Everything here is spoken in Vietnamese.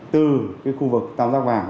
từ cái khu vực tàm giác vàng